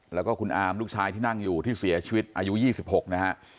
แล้วก็คุณอามลูกชายที่นั่งอยู่ที่เสียชีวิตอายุ๒๖นะฮะ